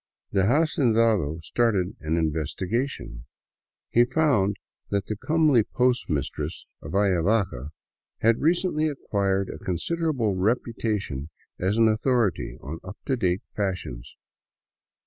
The hacendado started an investigation. He found that the comely post mistress of Ayavaca had recently acquired a considerable reputation as an au thority on up to date fashions.